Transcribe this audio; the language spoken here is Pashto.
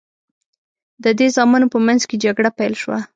د دې زامنو په منځ کې جګړه پیل شوه.